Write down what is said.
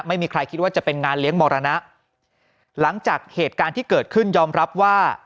ไม่มีใครคิดว่าจะเป็นงานเลี้ยงมรณะหลังจากเหตุการณ์ที่เกิดขึ้นยอมรับว่า